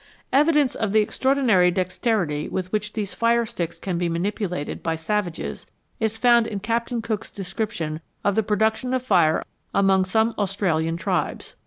Evidence of the extraordinary dexterity with which these fire sticks can be manipulated by savages is found in Captain Cook's description of the production of fire among some Australian tribes.